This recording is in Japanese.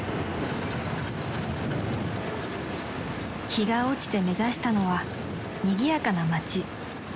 ［日が落ちて目指したのはにぎやかな街］